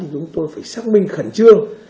chúng tôi phải xác minh khẩn trương